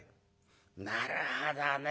「なるほどね。